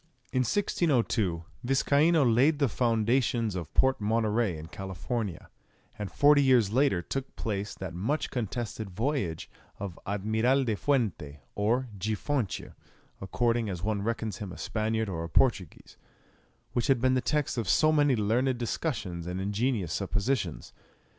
In 1602 Viscaino laid the foundations of Port Monterey in California, and forty years later took place that much contested voyage of Admiral De Fuente, or De Fonte according as one reckons him a Spaniard or a Portuguese, which has been the text of so many learned discussions and ingenious suppositions.